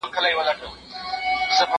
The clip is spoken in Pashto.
کتابونه د زده کوونکي له خوا ليکل کيږي!؟